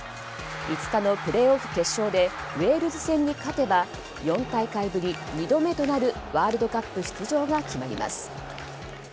５日のプレーオフ決勝でウェールズ戦に勝てば４大会ぶり２度目となるワールドカップ出場が決まります。